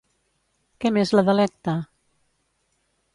Què més la delecta?